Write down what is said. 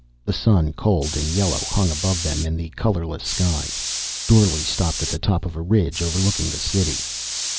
The sun, cold and yellow, hung above them in the colorless sky. Dorle stopped at the top of a ridge overlooking the city.